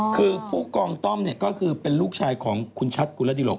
คือผู้กองต้อมก็คือเป็นลูกชายของคุณชัตริ์คุณระดิโรก